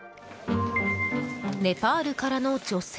ネパールからの女性。